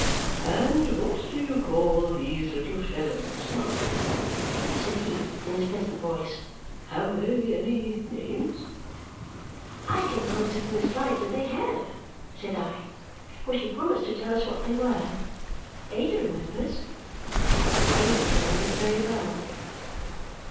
"And what do you call these little fellows, ma'am?" said he in his pleasant voice. "Have they any names?" "I can answer for Miss Flite that they have," said I, "for she promised to tell us what they were. Ada remembers?" Ada remembered very well.